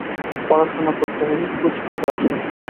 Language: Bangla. পড়াশোনা করতে হবে, প্রচুর পড়াশোনা।